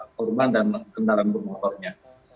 korban dan kendaraan pemotornya